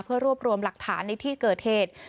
เพื่อรวบรวมหลักฐานในที่เกิดเหตุ